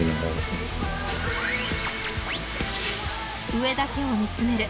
［上だけを見つめる！］